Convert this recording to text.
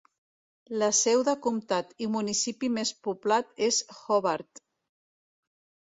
La seu de comtat i municipi més poblat és Hobart.